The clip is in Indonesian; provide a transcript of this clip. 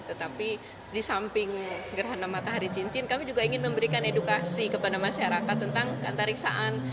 tetapi di samping gerhana matahari cincin kami juga ingin memberikan edukasi kepada masyarakat tentang antariksaan